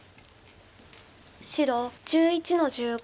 白１１の十五。